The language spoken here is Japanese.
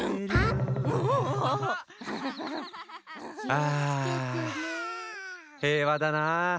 ああへいわだなあ。